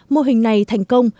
mô hình này thành công